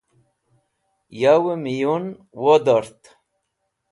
Yavey Miyun Wodort